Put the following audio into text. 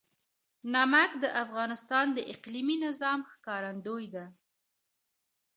نمک د افغانستان د اقلیمي نظام ښکارندوی ده.